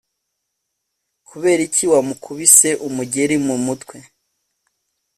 kuberiki wamukubise umugeri mu mutwe